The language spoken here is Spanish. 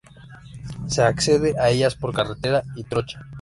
Se accede a ellas por carretera y trocha.